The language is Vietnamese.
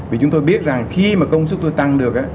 vì chúng tôi biết rằng khi mà công suất tôi tăng được á